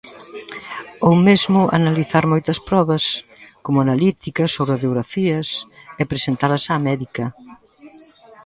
Ou mesmo analizar moitas probas, como analíticas ou radiografías, e presentalas á médica.